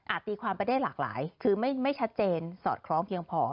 ตีความไปได้หลากหลายคือไม่ชัดเจนสอดคล้องเพียงพอ